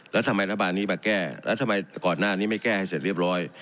แล้วทำไมรัฐบาลนี้มาแก้แล้วทำไมก่อนหน้านี้ไม่แก้ให้เสร็จเรียบร้อย